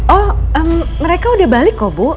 oh mereka udah balik kok bu